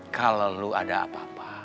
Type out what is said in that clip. kalo lu ada apa apa